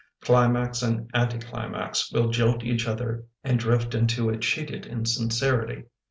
Climax and anti climax Will jilt each other and drift Into a cheated insincerity.